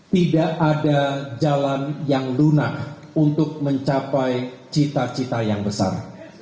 tidak ada jalan yang lunak untuk mencapai cita cita yang besar